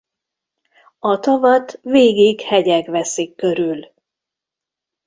A tavat végig hegyek veszik körül.